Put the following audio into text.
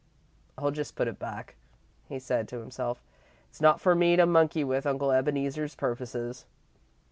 "I'll just put it back," he said to himself. "It's not for me to monkey with Uncle Ebeneezer's purposes."